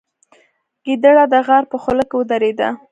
ګیدړه د غار په خوله کې ودرېده.